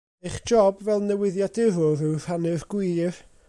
Eich job fel newyddiadurwyr yw rhannu'r gwir.